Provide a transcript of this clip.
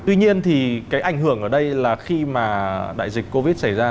tuy nhiên thì cái ảnh hưởng ở đây là khi mà đại dịch covid xảy ra